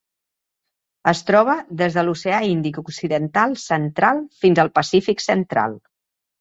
Es troba des de l'Oceà Índic occidental central fins al Pacífic central.